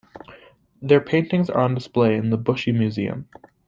Their paintings are on display in the Bushey Museum.